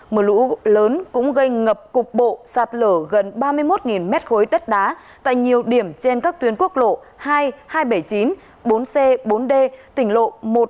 mưa lũ lớn cũng gây ngập cục bộ sạt lở gần ba mươi một mét khối đất đá tại nhiều điểm trên các tuyến quốc lộ hai hai trăm bảy mươi chín bốn c bốn d tỉnh lộ một trăm bảy mươi một trăm bảy mươi một một trăm bảy mươi bảy